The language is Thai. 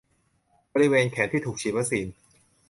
บริเวณแขนที่ถูกฉีดวัคซีน